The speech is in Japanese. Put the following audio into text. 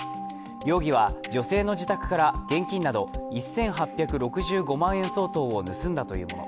容疑は女性の自宅から現金など１８６５万円相当を盗んだというもの。